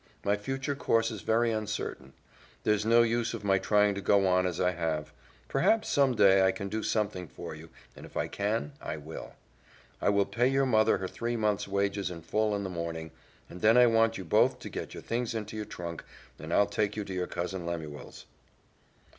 My future course is very uncertain. There's no use of my trying to go on as I have. Perhaps some day I can do something for you, and if I can, I will. I will pay your mother her three months' wages in full in the morning, and then I want you both to get your things into your trunk, and I'll take you to your Cousin Lemuel's."